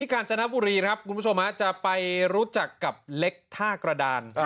กาญจนบุรีครับคุณผู้ชมจะไปรู้จักกับเล็กท่ากระดาน